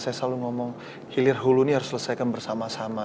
saya selalu ngomong hilir hulu ini harus selesaikan bersama sama